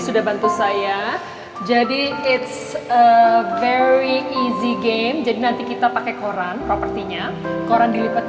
bisa bantu saya jadi it's a very easy game jadi nanti kita pakai koran propertinya koran dilipat